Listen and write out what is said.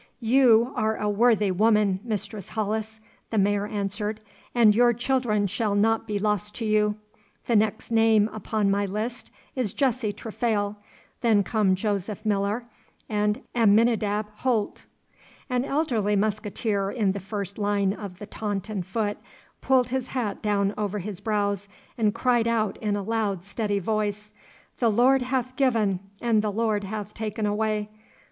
'You are a worthy woman, Mistress Hollis,' the Mayor answered, 'and your children shall not be lost to you. The next name upon my list is Jesse Trefail, then come Joseph Millar, and Aminadab Holt ' An elderly musqueteer in the first line of the Taunton foot pulled his hat down over his brows and cried out in a loud steady voice, 'The Lord hath given and the Lord hath taken away.